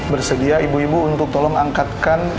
bersedia ibu ibu untuk tolong angkatkan